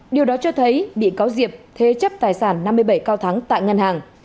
điều đó cho thấy bị cáo diệp thế chấp tài sản năm mươi bảy cao thắng tại ngân hàng